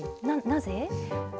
なぜ？